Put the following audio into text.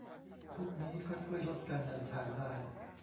พวกนี้ก็ช่วยลดการเดินทางได้